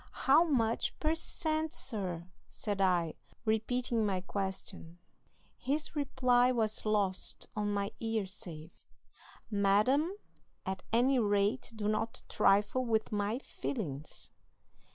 "'How much per cent, sir?' said I, repeating my question. "His reply was lost on my ear save: 'Madam, at any rate do not trifle with my feelings.'